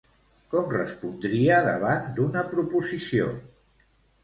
Com respondria davant d'una proposició?